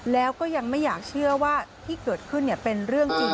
แล้วก็ยังไม่อยากเชื่อว่าที่เกิดขึ้นเป็นเรื่องจริง